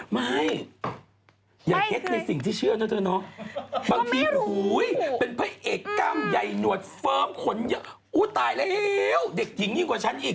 ไม่อย่าเก็ตในสิ่งที่เชื่อนะเธอเนาะบางทีเป็นพระเอกกล้ามใหญ่หนวดเฟิร์มขนเยอะอุ้ยตายแล้วเด็กหญิงยิ่งกว่าฉันอีก